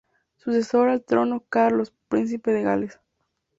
Sucesor al trono: Carlos, príncipe de Gales.